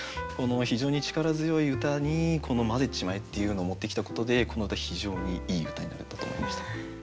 非常に力強い歌にこの「混ぜちまえ」っていうのを持ってきたことでこの歌非常にいい歌になったと思いました。